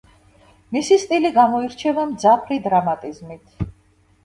მისი სტილი გამოირჩევა მძაფრი დრამატიზმით.